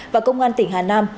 và công an tỉnh hà nam